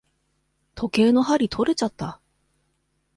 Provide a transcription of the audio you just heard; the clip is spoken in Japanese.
時計の針とれちゃった。